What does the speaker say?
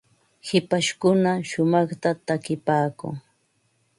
hipashkuna shumaqta takipaakun.